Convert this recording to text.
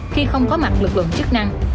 khi không có mặt lực lượng chức năng